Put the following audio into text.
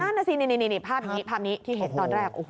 นั่นน่ะสินี่ภาพนี้ภาพนี้ที่เห็นตอนแรก